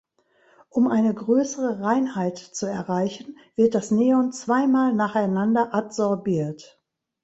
Um eine größere Reinheit zu erreichen, wird das Neon zweimal nacheinander adsorbiert.